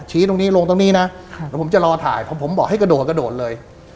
ชี้ตรงนี้ลงตรงนี้น่ะครับแล้วผมจะรอถ่ายผมบอกให้กระโดดกระโดดเลย